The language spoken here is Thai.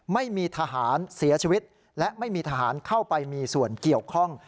ไม่มีทหารเสียชีวิตและไม่มีทหารเข้าไปมีส่วนเกี่ยวข้อง